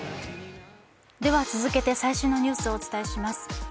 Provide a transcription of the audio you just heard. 続けて最新のニュースをお伝えします。